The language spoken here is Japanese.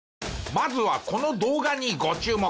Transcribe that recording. まずはこの動画にご注目。